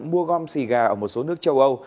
mua gom xì gà ở một số nước châu âu